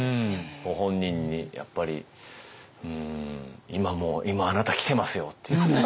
ご本人にやっぱり今もう今あなたキてますよって。